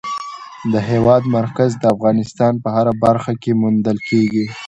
د هېواد مرکز د افغانستان په هره برخه کې موندل کېږي.